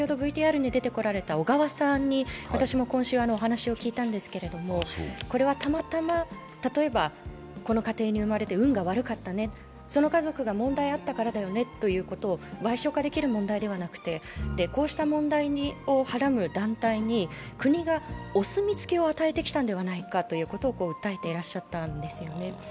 小川さんに私も今週、お話を聞いたんですけどこれはたまたま、例えばこの家庭に生まれて運が悪かったね、その家族が問題あったからだよねということをわい小化できる問題ではなくてこうした問題をはらむ団体に国がお墨付きを与えてきたのではないかということを訴えてらっしゃったんですね。